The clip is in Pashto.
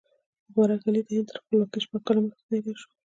مبارک علي د هند تر خپلواکۍ شپږ کاله مخکې پیدا شو.